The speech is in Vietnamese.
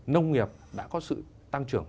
nông nghiệp đã có sự tăng trưởng